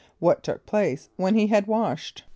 = What took place when he had washed?